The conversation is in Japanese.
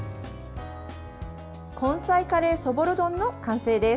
根菜カレーそぼろ丼の完成です。